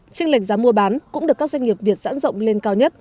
tranh lệch giá mua bán cũng được các doanh nghiệp việt giãn rộng lên cao nhất